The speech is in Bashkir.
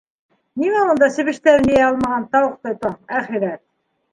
Нимә унда себештәрен йыя алмаған тауыҡтай тораң, әхирәт?